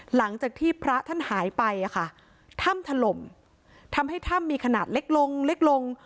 หลังจากที่พระท่านหายไปถ้ำถล่มทำให้ถ้ำมีขนาดเล็กลงเล็กลง